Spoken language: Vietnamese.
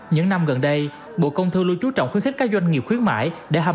những năm gần đây bộ công thư luôn chú trọng khuyến khích các doanh nghiệp khuyến mãi để hâm